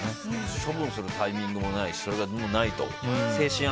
処分するタイミングもないしそれがないと。